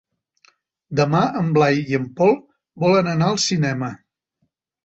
Demà en Blai i en Pol volen anar al cinema.